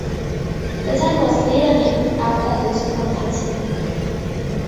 The town was later named after this property.